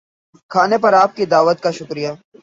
کھانے پر آپ کی دعوت کا شکریہ